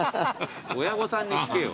親御さんに聞けよ。